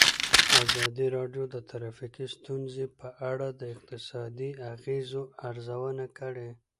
ازادي راډیو د ټرافیکي ستونزې په اړه د اقتصادي اغېزو ارزونه کړې.